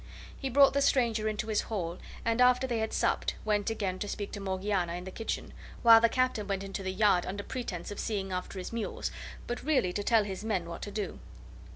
He brought the stranger into his hall, and after they had supped went again to speak to Morgiana in the kitchen, while the Captain went into the yard under pretense of seeing after his mules, but really to tell his men what to do.